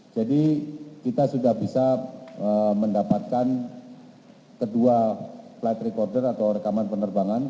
jadi kita sudah bisa mendapatkan kedua flight recorder atau rekaman penerbangan